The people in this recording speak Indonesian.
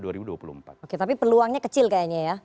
oke tapi peluangnya kecil kayaknya ya